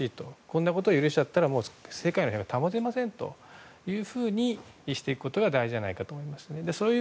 こんなことを許しちゃったら世界の平和は保てませんというふうにしていくことが大事だと思います。